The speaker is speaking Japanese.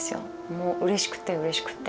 もううれしくてうれしくて。